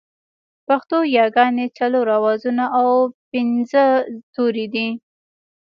پښتو ياگانې څلور آوازونه او پينځه توري دي